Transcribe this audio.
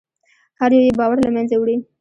هر یو یې باور له منځه وړي.